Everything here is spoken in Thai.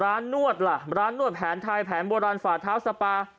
นวดล่ะร้านนวดแผนไทยแผนโบราณฝ่าเท้าสปา